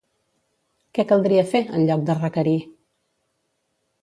Què caldria fer, en lloc de requerir?